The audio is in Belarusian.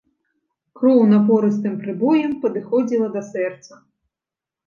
Кроў напорыстым прыбоем падыходзіла да сэрца.